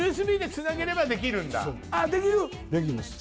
ＵＳＢでつなげればできるんだできる？